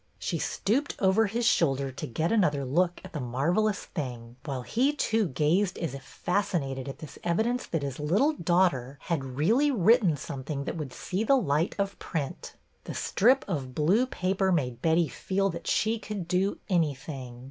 She stooped over his shoulder to get another look at the marvellous thing, while he too gazed as if fascinated at this evidence that his little daughter had really written something that would see the light of print. The strip of blue paper made Betty feel that she could do anything.